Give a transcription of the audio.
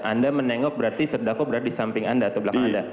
anda menengok berarti terdakwa berada di samping anda atau belakang anda